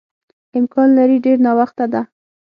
امکان لري ډېر ناوخته ده.